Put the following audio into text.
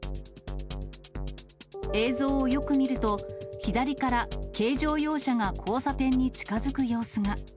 映像をよく見ると、左から軽乗用車が交差点に近づく様子が。